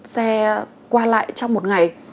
xe qua lại trong một ngày